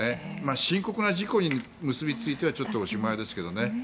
深刻な事故に結びついてはちょっとおしまいですけどね